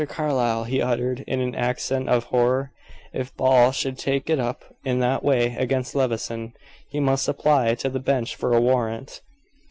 Carlyle," he uttered, in an accent of horror, "if Ball should take it up in that way against Levison, he must apply to the bench for a warrant."